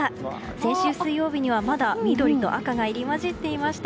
先週水曜日にはまだ緑と赤が入り混じっていました。